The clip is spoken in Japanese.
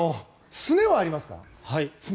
すねはありますかね？